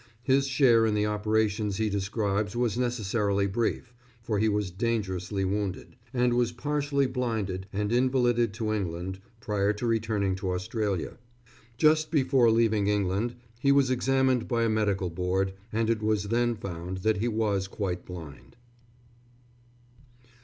His share in the operations he describes was necessarily brief, for he was dangerously wounded, and was partially blinded and invalided to England, prior to returning to Australia. Just before leaving England he was examined by a Medical Board, and it was then found that he was quite blind.